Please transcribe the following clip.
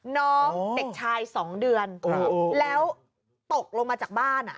น้องเด็กชาย๒เดือนแล้วตกลงมาจากบ้าน